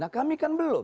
nah kami kan belum